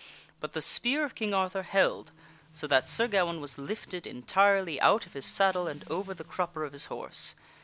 But the spear of King Arthur held, so that Sir Ga waine was lifted entirely out of his saddle and over the crupper of his horse.